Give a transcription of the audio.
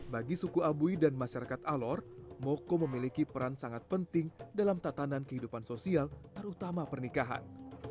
bagi suku abui dan masyarakat alor moko memiliki peran sangat penting dalam tatanan kehidupan sosial terutama pernikahan